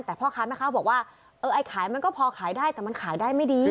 แต่พ่อค้าแม่ค้าบอกว่าเออไอ้ขายมันก็พอขายได้แต่มันขายได้ไม่ดี